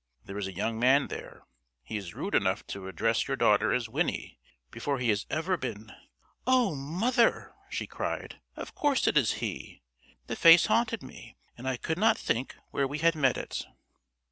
There is a young man there. He is rude enough to address your daughter as Winnie before he has ever been " "Oh, mother," she cried, "of course it is he! The face haunted me, and I could not think where we had met it."